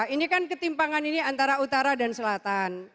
ini kan ketimpangan ini antara utara dan selatan